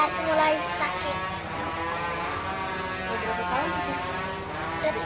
dari mulai sakit